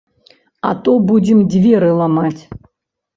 А то будзем дзверы ламаць!